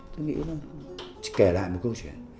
tôi nghĩ là kể lại một câu chuyện